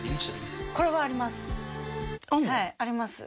はいあります。